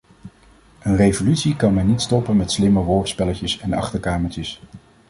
Een revolutie kan men niet stoppen met slimme woordspelletjes en achterkamertjes.